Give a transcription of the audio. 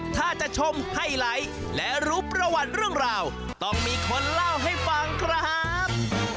ถ้าจะชมไฮไลท์และรู้ประวัติเรื่องราวต้องมีคนเล่าให้ฟังครับ